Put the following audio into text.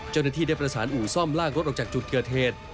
เจ้าหน้าที่ได้ประสานอู่ซ่อมลากรถออกจากจุดเกิดเหตุ